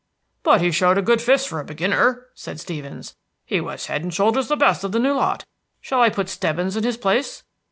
"But he showed a good fist for a beginner," said Stevens. "He was head and shoulders the best of the new lot. Shall I put Stebbins in his place?"